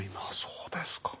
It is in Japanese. そうですか。